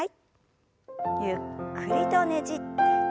ゆっくりとねじって。